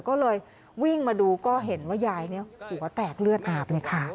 ก็เลยวิ่งมาดูก็เห็นว่ายายเนี่ยหัวแตกเลือดอาบเลยค่ะ